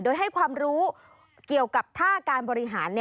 โดยให้ความรู้เกี่ยวกับท่าการบริหาร